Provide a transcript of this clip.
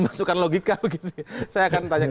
presiden juga sudah